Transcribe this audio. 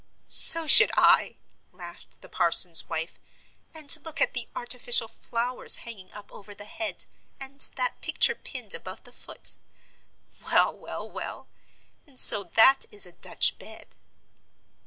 "So should I," laughed the parson's wife; "and look at the artificial flowers hanging up over the head, and that picture pinned, above the foot. Well, well, well, and so that is a Dutch bed!"